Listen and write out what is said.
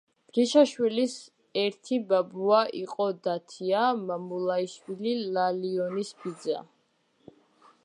გრიშაშვილის ერთი ბაბუა იყო დათია მამულაიშვილი, ლალიონის ბიძა.